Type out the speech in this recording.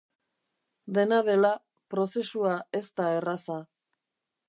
Dena dela, prozesua ez da erraza.